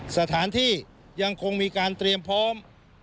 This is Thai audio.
สถานที่ยังคงมีการเตรียมพร้อม